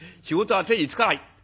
仕事が手につかない！